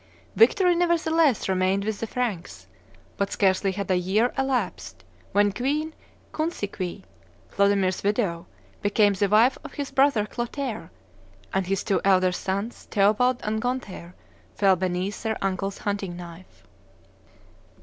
Victory, nevertheless, remained with the Franks; but scarcely had a year elapsed when Queen Guntheuque, Clodomir's widow, became the wife of his brother Clotaire, and his two elder sons, Theobald and Gonthaire, fell beneath their uncle's hunting knife."